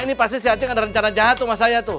ini pasti si anjing ada rencana jahat tuh sama saya tuh